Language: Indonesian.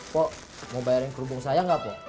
pau mau bayarin kerubung saya gak po